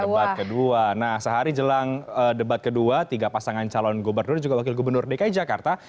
debat kedua nah sehari jelang debat kedua tiga pasangan calon gubernur dan juga wakil gubernur dki jakarta